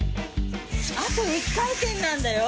あと１回転なんだよ。